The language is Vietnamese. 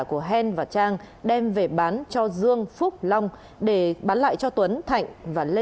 của hen và trang đem về bán cho dương phúc long để bán lại cho tuấn thạnh và lê